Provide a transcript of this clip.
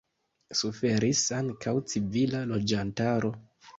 Suferis ankaŭ civila loĝantaro.